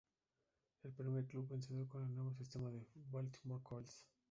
El primer club vencedor con el nuevo sistema fue Baltimore Colts.